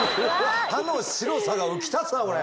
歯の白さが浮き立つなあこれ！